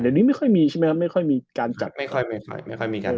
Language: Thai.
เออแต่ในไม่ค่อยมีใช่ไหมครับไม่ค่อยมีการจัด